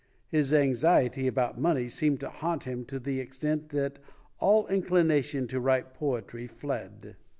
His anxiety about money seemed to haunt him to the extent that all inclination to write poetry fled.